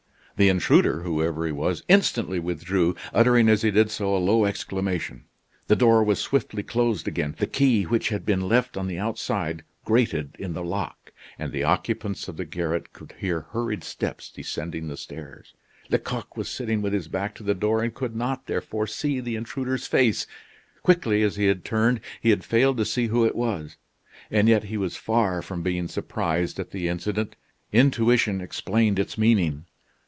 The intruder, whoever he was, instantly withdrew, uttering as he did so a low exclamation. The door was swiftly closed again; the key which had been left on the outside grated in the lock, and the occupants of the garret could hear hurried steps descending the stairs. Lecoq was sitting with his back to the door, and could not, therefore, see the intruder's face. Quickly as he had turned, he had failed to see who it was: and yet he was far from being surprised at the incident. Intuition explained its meaning.